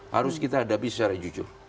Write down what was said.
harus kita hadapi secara jujur